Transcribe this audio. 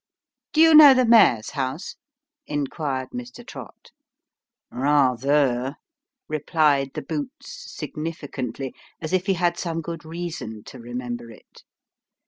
" Do you know the mayor's house ?" inquired Mr. Trott. " Bather," replied the boots, significantly, as if he had some good reason to remember it.